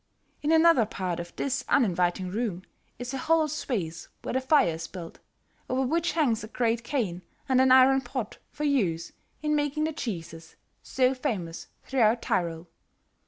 In another part of this uninviting room is a hollowed space where the fire is built, over which hangs a great crane and an iron pot for use in making the cheeses so famous throughout Tyrol.